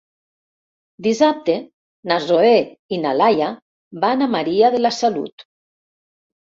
Dissabte na Zoè i na Laia van a Maria de la Salut.